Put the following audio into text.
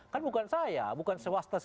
kan bukan saya bukan swasta